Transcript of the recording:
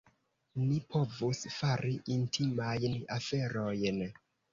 Ni povus fari intimajn aferojn.